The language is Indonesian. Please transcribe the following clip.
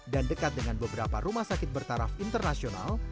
dan dekat dengan beberapa rumah sakit bertaraf internasional